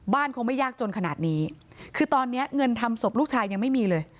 คงไม่ยากจนขนาดนี้คือตอนนี้เงินทำศพลูกชายยังไม่มีเลย